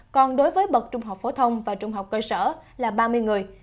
còn đối với bậc trung học phổ thông và trung học cơ sở là ba mươi người